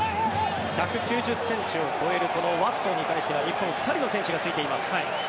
１９０ｃｍを超えるこのワストンに対しては日本、２人の選手がついています。